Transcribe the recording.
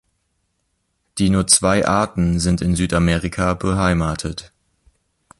Die nur zwei Arten sind in Südamerika beheimatet.